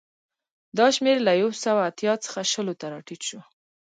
دا شمېر له یو سوه اتیا څخه شلو ته راټیټ شو